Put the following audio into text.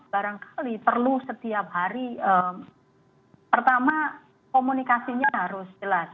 barangkali perlu setiap hari pertama komunikasinya harus jelas